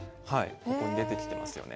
ここに出てきてますよね。